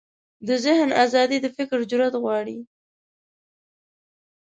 د ذهن ازادي د فکر جرئت غواړي.